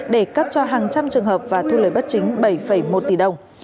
để cấp cho hàng trăm trường hợp và thu lời bất chính bảy một tỷ đồng